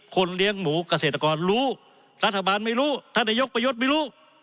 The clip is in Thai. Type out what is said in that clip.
คนเลี้ยงหมูเกษตรกรรู้รัฐบาลไม่รู้ท่านนายกประยุทธ์ไม่รู้